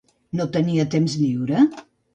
No tenia temps lliure?